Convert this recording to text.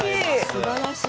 すばらしい。